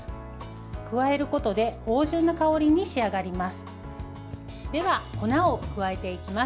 加えることで芳じゅんな香りに仕上がります。